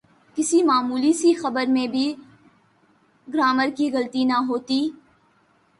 کسی معمولی سی خبر میں بھی گرائمر کی غلطی نہ ہوتی۔